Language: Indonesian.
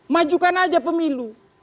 majukan aja pemilu